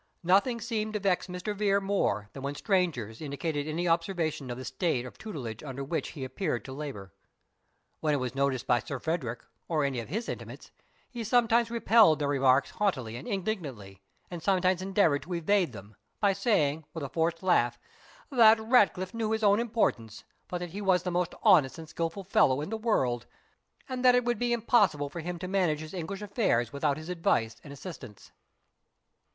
Nothing seemed to vex Mr. Vere more than when strangers indicated any observation of the state of tutelage under which he appeared to labour. When it was noticed by Sir Frederick, or any of his intimates, he sometimes repelled their remarks haughtily and indignantly, and sometimes endeavoured to evade them, by saying, with a forced laugh, "That Ratcliffe knew his own importance, but that he was the most honest and skilful fellow in the world; and that it would be impossible for him to manage his English affairs without his advice and assistance."